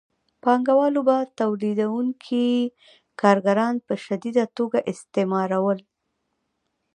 پانګوالو به تولیدونکي کارګران په شدیده توګه استثمارول